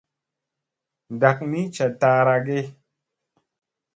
Ndak ni ca ta ara ge.